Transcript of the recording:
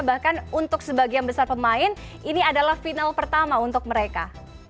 bahkan untuk sebagian besar pemain ini adalah final pertama untuk mereka